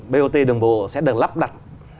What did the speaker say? bot đường bộ sẽ được lắp đặt